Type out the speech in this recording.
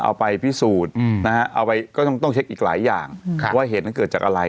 เอาไปพิสูจน์นะฮะเอาไปก็ต้องเช็คอีกหลายอย่างว่าเหตุนั้นเกิดจากอะไร